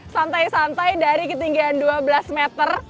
santai santai dari ketinggian dua belas meter